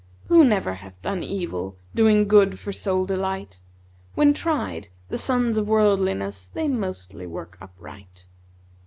Who never hath done evil,* Doing good for sole delight? When tried the sons of worldli * ness they mostly work upright."